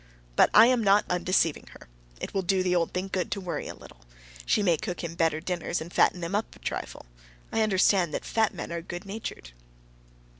But I am not undeceiving her; it will do the old thing good to worry a little. She may cook him better dinners, and fatten him up a trifle. I understand that fat men are good natured.